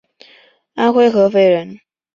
安徽合肥人。